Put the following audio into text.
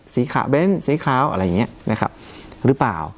ขาเบ้นสีขาวอะไรอย่างนี้นะครับหรือเปล่า